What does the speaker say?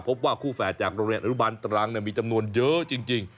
พบว่าคู่แฝดจากโรงเรียนอนุบาลตรังมีจำนวนเยอะจริง